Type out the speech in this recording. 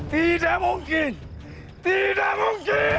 tidak mungkin tidak mungkin